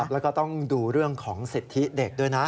แล้วก็ต้องดูเรื่องของสิทธิเด็กด้วยนะ